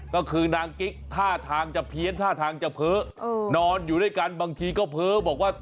ก็คือนางกิ๊กท่าทางจะเพี้ยนท่าทางจะเพ้อนอนอยู่ด้วยกันบางทีก็เพ้อบอกว่า